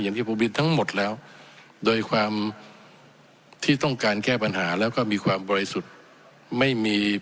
ที่ผมบินทั้งหมดแล้วโดยความที่ต้องการแก้ปัญหาแล้วก็มีความบริสุทธิ์ไม่มี